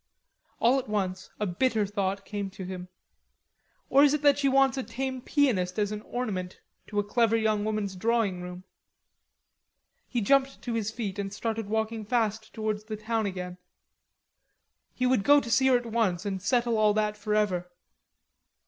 All at once a bitter thought came to him. "Or is it that she wants a tame pianist as an ornament to a clever young woman's drawing room?" He jumped to his feet and started walking fast towards the town again. He would go to see her at once and settle all that forever.